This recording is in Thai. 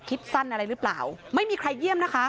คิดสั้นอะไรหรือเปล่าไม่มีใครเยี่ยมนะคะ